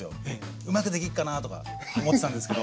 うまくできっかなとか思ってたんですけど。